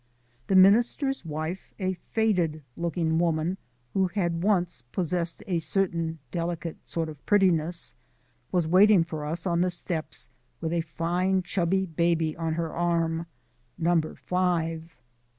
The minister's wife, a faded looking woman who had once possessed a delicate sort of prettiness, was waiting for us on the steps with a fine chubby baby on her arm number five.